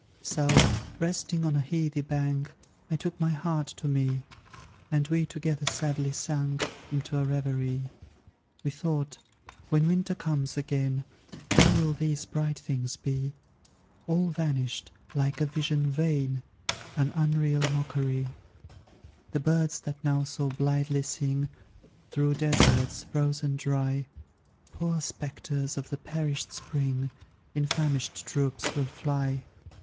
So, resting on a heathy bank, I took my heart to me; And we together sadly sank Into a reverie. We thought, "When winter comes again, Where will these bright things be? All vanished, like a vision vain, An unreal mockery! "The birds that now so blithely sing, Through deserts, frozen dry, Poor spectres of the perished spring, In famished troops will fly.